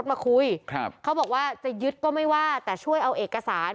มาคุยครับเขาบอกว่าจะยึดก็ไม่ว่าแต่ช่วยเอาเอกสาร